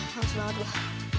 tansu banget gue